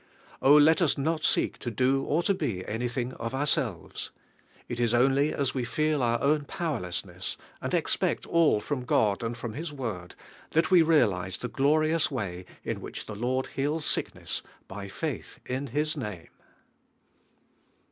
Oh, let us not seek to do or to be anything of ourselves! It is only as we feel our own poweiiessness, and expect all from God and from His Word that we realise the glorious way in which the Lord heals sickness "by faith in His name."